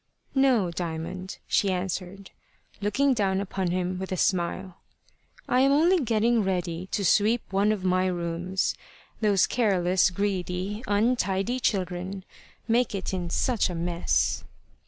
"No, Diamond," she answered, looking down upon him with a smile; "I am only getting ready to sweep one of my rooms. Those careless, greedy, untidy children make it in such a mess."